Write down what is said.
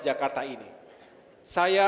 jakarta ini saya